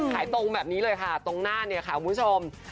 ขายตรงแบบนี้เลยค่ะตรงหน้าเนี่ยค่ะคุณผู้ชม